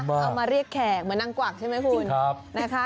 เสื้อมาเรียกแข่งเหมือนนางกวกใช่ไหมคุณ